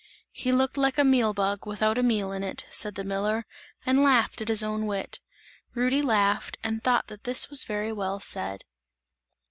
"He looked like a meal bag, without meal in it!" said the miller and laughed at his own wit. Rudy laughed and thought that this was very well said.